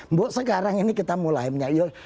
mbak sekarang ini kita mulai menyayang